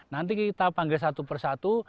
nanti kita panggil satu persatu